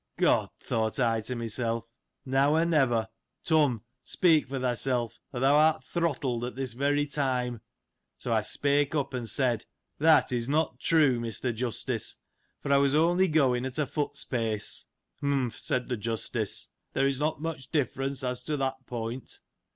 God! thought I to myself! Now — or never; Turn, speak for thyself, or thou art throttled at this very time. So, I spake up, and said, " That is not true, Mr. Justice ; for I was only going at a foot's pace." "Humph!" said the Justice; " there is not much difference, as to that point.